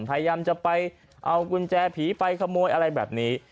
พยายามจะไปเอากุญแจผีไปขโมยอะไรแบบนี้